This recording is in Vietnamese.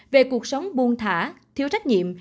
về cuộc sống buôn thả thiếu trách nhiệm